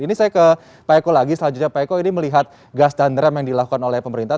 ini saya ke pak eko lagi selanjutnya pak eko ini melihat gas dan rem yang dilakukan oleh pemerintah